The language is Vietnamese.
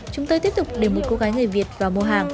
chúng tôi tiếp tục để một cô gái người việt vào mua hàng